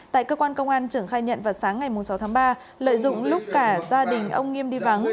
tại cơ quan công an trưởng khai nhận vào sáng ngày sáu tháng ba lợi dụng lúc cả gia đình ông nghiêm đi vắng